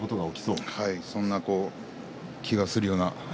そんな気がするような。